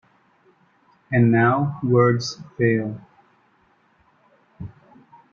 And now words fail.